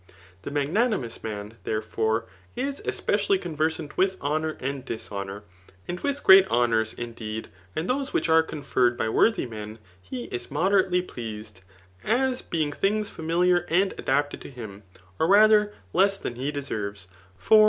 /The magnanimous (man, therefore, is especially con versant with honour and dishonour. And with great honours, indeed, and those which are conferred by wor* tl^ men, he is moderately pleased, as being things £uni Ikr and adapted to him, or rather less than he deserves f for.